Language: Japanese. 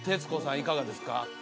いかがですか？